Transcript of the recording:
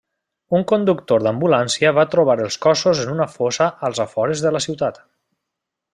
Un conductor d'ambulància va trobar els cossos en una fossa als afores de la ciutat.